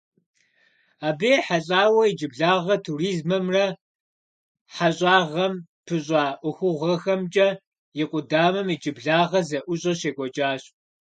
Абы ехьэлӀауэ иджыблагъэ туризмэмрэ хьэщӀагъэм пыщӀа ӀуэхугъуэхэмкӀэ и къудамэм иджыблагъэ зэӀущӀэ щекӀуэкӀащ.